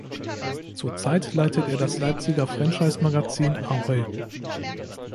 Zur Zeit leitet er das Leipziger Franchise-Magazin "Ahoi".